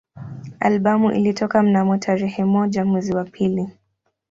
Albamu ilitoka mnamo tarehe moja mwezi wa pili